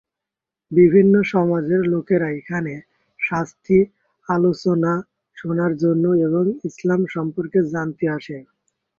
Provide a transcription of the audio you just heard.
বিভিন্ন সমাজের লোকেরা এখানে শান্তি আলোচনা শোনার জন্য এবং ইসলাম সম্পর্কে জানতে আসে।